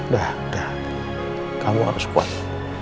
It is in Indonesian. sudah kamu harus kuat